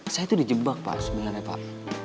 saya itu dijebak pak sebenarnya pak